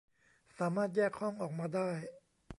สามารถแยกห้องออกมาได้